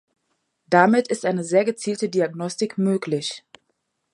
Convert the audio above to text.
Damit ist eine sehr gezielte Diagnostik möglich.